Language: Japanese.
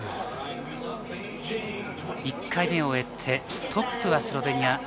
１回目を終えて、トップはスロベニア。